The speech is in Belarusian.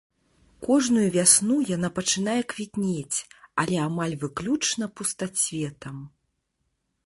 Кожную вясну яна пачынае квітнець, але амаль выключна пустацветам.